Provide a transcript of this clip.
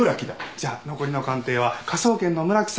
じゃあ残りの鑑定は科捜研の村木さんにお願いします。